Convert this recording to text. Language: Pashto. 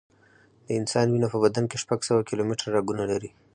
د انسان وینه په بدن کې شپږ سوه کیلومټره رګونه لري.